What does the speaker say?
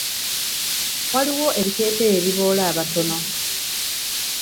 Waliwo ebiteeteeyi ebiboola abatono.